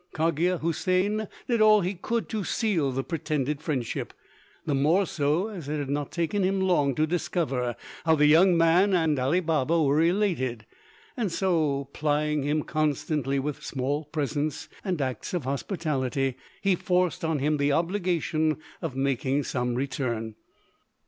Cogia Houssain did all he could to seal the pretended friendship, the more so as it had not taken him long to discover how the young man and Ali Baba were related; so, plying him constantly with small presents and acts of hospitality, he forced on him the obligation of making some return.